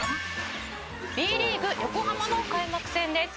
「Ｂリーグ横浜の開幕戦です」